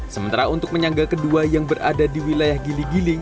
sementara untuk penyangga kedua yang berada di wilayah giling giling